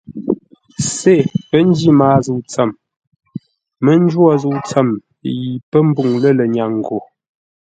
Sê pə́ njí maa zə̂u tsəm, mə́ njwó zə̂u tsəm yi pə́ mbûŋ lə lənyâŋ gho.